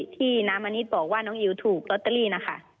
ที่น้ำมณิษฐ์บอกว่าน้องอิ๋วถูกลอตเตอรี่นะคะ